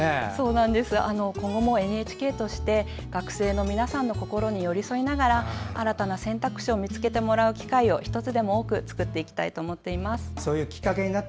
今後もＮＨＫとして学生の皆さんの心に寄り添いながら新たな選択肢を見つけてもらう機会を１つでも多く作っていきたいと思っています。